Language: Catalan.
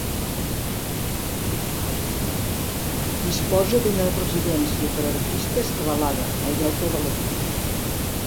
Disposa d’una residència per artistes a Balada, al delta de l'Ebre.